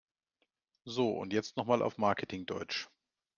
So, und jetzt noch mal auf Marketing-Deutsch!